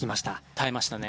耐えましたね。